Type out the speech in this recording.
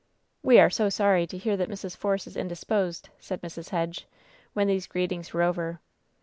"We are so sorry to hear that Mrs. Force is in disposed," said Mrs. Hedge, when these greetings were over.